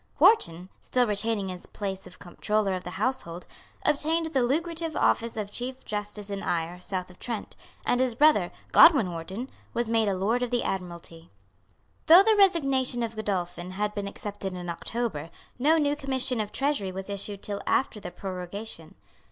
Wharton, still retaining his place of Comptroller of the Household, obtained the lucrative office of Chief Justice in Eyre, South of Trent; and his brother, Godwin Wharton, was made a Lord of the Admiralty. Though the resignation of Godolphin had been accepted in October, no new commission of Treasury was issued till after the prorogation.